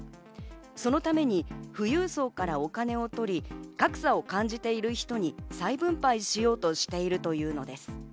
そのために富裕層からお金を取り、格差を感じている人に再分配しようとしているというのです。